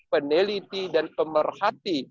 peneliti dan pemerhati